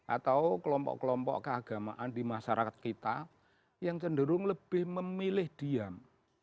atau kelompok kelompok keagamaan di masyarakat kita yang cenderung lebih memilih diam